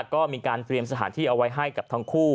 ก็มีการเตรียมสถานที่เอาไว้ให้กับทั้งคู่